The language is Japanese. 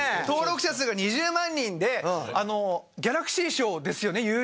登録者数が２０万人でギャラクシー賞ですよね